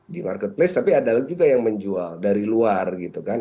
di marketplace tapi ada juga yang menjual dari luar gitu kan